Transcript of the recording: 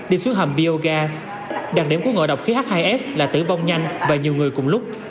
đi xuống hầm biogas đặc điểm của ngộ độc khí h hai s là tử vong nhanh và nhiều người cùng lúc